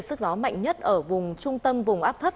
sức gió mạnh nhất ở vùng trung tâm vùng áp thấp